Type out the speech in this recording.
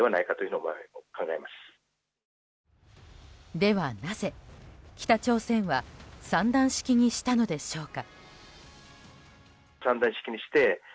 では、なぜ北朝鮮は３段式にしたのでしょうか。